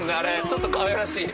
ちょっとかわいらしい。